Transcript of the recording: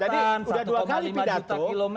jadi udah dua kali pidato